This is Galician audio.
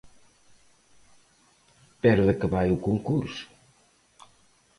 Pero de que vai o concurso?